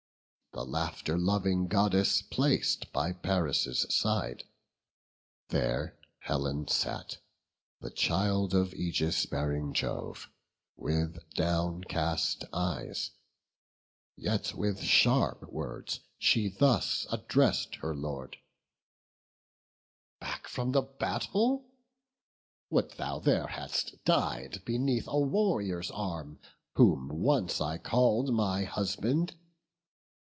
A seat the laughter loving Goddess plac'd By Paris' side; there Helen sat, the child Of aegis bearing Jove, with downcast eyes, Yet with sharp words she thus address'd her Lord: "Back from the battle? would thou there hadst died Beneath a warrior's arm, whom once I call'd My husband!